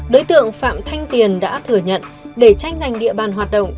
đối tượng phạm thanh tiền đã thừa nhận để tranh giành địa bàn hoạt động